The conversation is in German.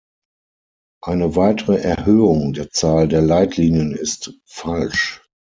Eine weitere Erhöhung der Zahl der Leitlinien ist falsch.